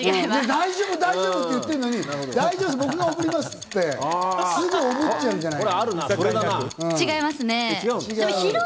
大丈夫大丈夫！って言ってるのにおぶりますって言って、すぐおぶっちゃうんじゃない？